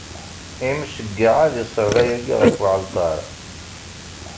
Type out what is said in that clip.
Imceyyeɛ ad isserɣ ayagi ɣef uɛalṭar.